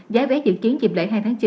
giá vé dự kiến dịp lễ hai tháng chín